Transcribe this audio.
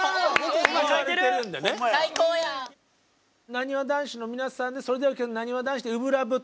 なにわ男子の皆さんでそれではなにわ男子で「初心ＬＯＶＥ」と。